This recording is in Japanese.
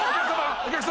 お客様！